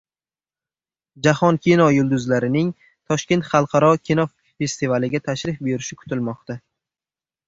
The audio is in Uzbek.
Jahon kino yulduzlarining Toshkent xalqaro kinofestivaliga tashrif buyurishi kutilmoqda